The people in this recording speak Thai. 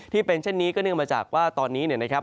ที่เป็นเช่นนี้ก็เนื่องมาจากว่าตอนนี้เนี่ยนะครับ